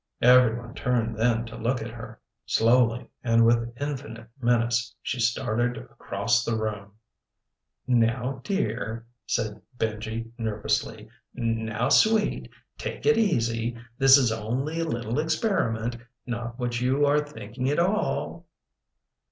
Everyone turned then to look at her. Slowly and with infinite menace, she started across the room. "Now, dear," said Benji nervously, "now, sweet, take it easy. This is only a little experiment. Not what you are thinking at all."